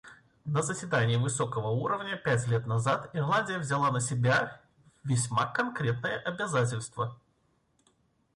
На заседании высокого уровня пять лет назад Ирландия взяла на себя весьма конкретное обязательство.